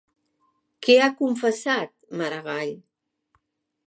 Què ha confessat Maragall?